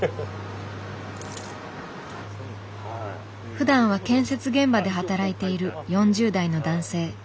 ふだんは建設現場で働いている４０代の男性。